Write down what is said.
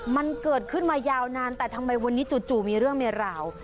มันเกิดขึ้นมายาวนานแต่ทำไมวันนี้จู่มีเรื่องมีราว